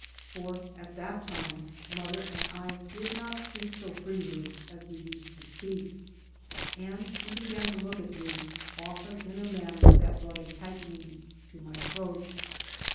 For at that time mother and I did not speak so freely as we used to speak. And she began to look at me often in a manner that brought a tightening to my throat.